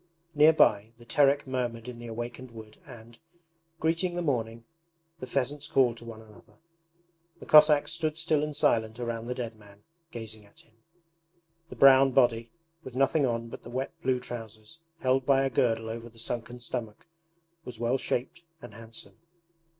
Near by, the Terek murmured in the awakened wood and, greeting the morning, the pheasants called to one another. The Cossacks stood still and silent around the dead man, gazing at him. The brown body, with nothing on but the wet blue trousers held by a girdle over the sunken stomach, was well shaped and handsome.